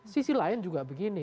sisi lain juga begini